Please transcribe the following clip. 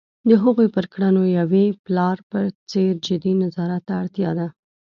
د هغوی پر کړنو یوې پلار په څېر جدي نظارت ته اړتیا ده.